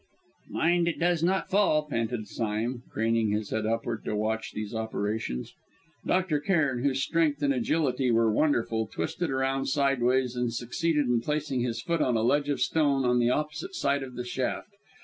"Mind it does not fall!" panted Sime, craning his head upward to watch these operations. Dr. Cairn, whose strength and agility were wonderful, twisted around sideways, and succeeded in placing his foot on a ledge of stone on the opposite side of the shaft.